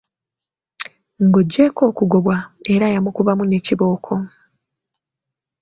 Ng’oggyeeko okugobwa era yamukubamu ne kibooko.